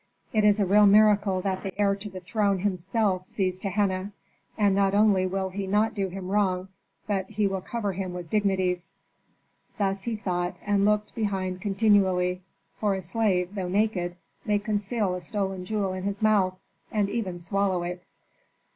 It is a real miracle that the heir to the throne himself seized Tehenna; and not only will he not do him wrong, but he will cover him with dignities." Thus he thought and looked behind continually, for a slave, though naked, may conceal a stolen jewel in his mouth, and even swallow it.